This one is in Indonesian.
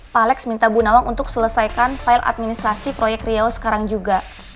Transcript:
pak alex minta bu nawang untuk selesaikan file administrasi proyek riau sekarang juga